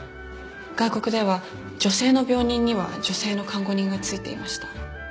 外国では女性の病人には女性の看護人がついていました。